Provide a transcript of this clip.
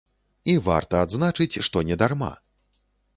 І варта адзначыць, што не дарма.